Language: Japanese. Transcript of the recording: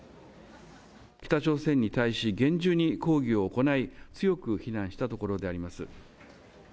北朝鮮に対し、厳重に抗議を行い、強く非難したところであります。